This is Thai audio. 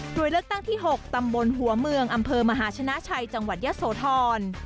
โดยเลือกตั้งที่๖ตำบลหัวเมืองอำเภอมหาชนะชัยจังหวัดยะโสธร